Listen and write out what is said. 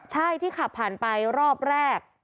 ใช่ที่ขับผ่านไปรอบแรก